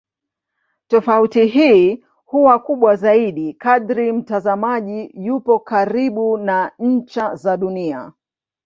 Tofauti hii huwa kubwa zaidi kadri mtazamaji yupo karibu na ncha za Dunia.